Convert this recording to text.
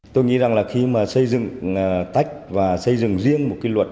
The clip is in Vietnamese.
tôi nghĩ rằng là khi mà xây dựng tách và xây dựng riêng một cái luật